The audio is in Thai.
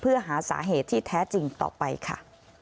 เพื่อหาสาเหตุที่แท้จริงต่อไปค่ะ